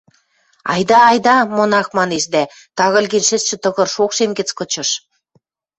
– Айда, айда! – монах манеш дӓ тагыльген шӹцшӹ тыгыр шокшем гӹц кычыш.